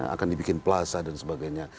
akan dibikin plaza dan sebagainya